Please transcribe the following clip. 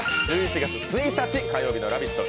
１１月１日、火曜日の「ラヴィット！」